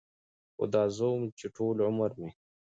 خو دا زه وم چې ټول عمر مې